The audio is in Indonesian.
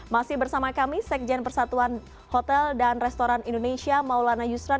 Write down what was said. masih bersama kami sekjen persatuan hotel dan restoran indonesia maulana yusran